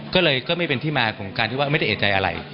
ก็เลยก็ไม่เป็นที่มาของการที่ว่าไม่ได้เอกใจอะไร